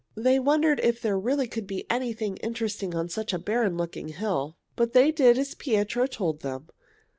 They wondered if there really could be anything interesting on such a barren looking hill, but they did as Pietro told them.